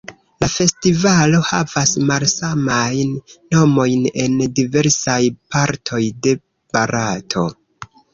La festivalo havas malsamajn nomojn en diversaj partoj de Barato.